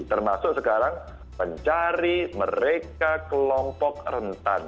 termasuk sekarang mencari mereka kelompok rentan